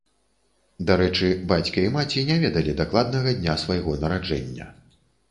Дарэчы, бацька і маці не ведалі дакладнага дня свайго нараджэння.